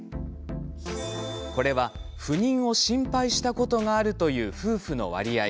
これは、不妊を心配したことがあるという夫婦の割合。